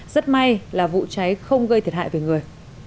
rất may là vụ cháy không gây thiệt hại về người